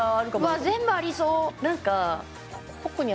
わ全部ありそう。